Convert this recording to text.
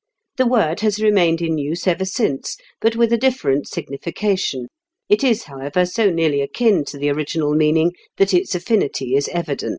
The word has remained in use ever since, but with a different signification; it is, however, so nearly akin to the original meaning that its affinity is evident."